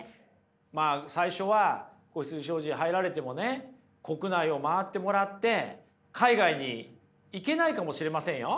まあ最初は子羊商事に入られてもね国内を回ってもらって海外に行けないかもしれませんよ。